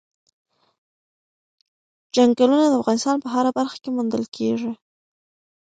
چنګلونه د افغانستان په هره برخه کې موندل کېږي.